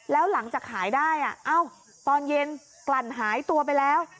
แล้วหลังจากขายได้ตอนเย็นกลั่นหายตัวไปแล้ว